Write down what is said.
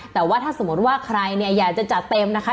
แต่ว่าถ้าสมมติว่าใครเนี่ยอยากจะจัดเต็มนะคะ